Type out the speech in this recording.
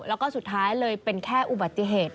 แล้วก็สุดท้ายเลยเป็นแค่อุบัติเหตุ